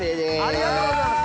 ありがとうございます！